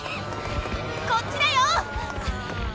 こっちだよ！